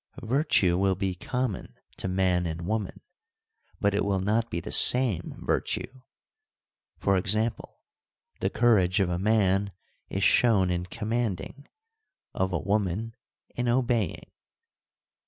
Virtue will be com mon to man and woman, but it will not be the same virtue : e.g., the courage of a man is shown in command ing, of a woman in obeying.